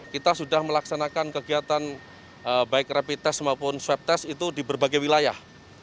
kita sudah melaksanakan kegiatan baik rapid test maupun swab test itu di berbagai wilayah